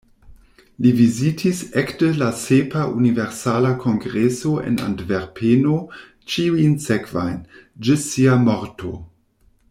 Li vizitis ekde la sepa Universala Kongreso en Antverpeno ĉiujn sekvajn, ĝis sia morto.